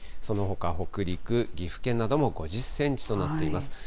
そのほか北陸、岐阜県なども５０センチとなっています。